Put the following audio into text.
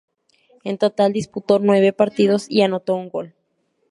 En total disputó nueve partidos y anotó un gol.